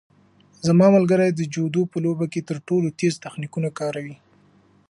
زما ملګری د جودو په لوبه کې تر ټولو تېز تخنیکونه کاروي.